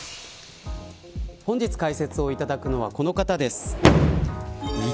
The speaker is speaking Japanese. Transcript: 本日解説をいただくのはこの方です。